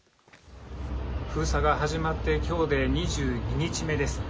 封鎖が始まって、きょうで２２日目です。